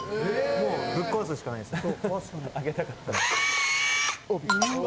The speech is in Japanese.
もうぶっ壊すしかないですね。